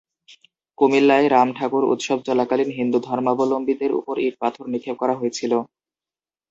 কুমিল্লায় রাম ঠাকুর উৎসব চলাকালীন হিন্দু ধর্মাবলম্বীদের উপরে ইট-পাথর নিক্ষেপ করা হয়েছিল।